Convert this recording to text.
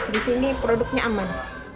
disini produknya aman